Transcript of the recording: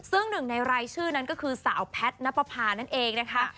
ซึ่งหนึ่งในรายชื่อนั้นก็คือสาวแพทย์นับประพานั่นเองนะคะ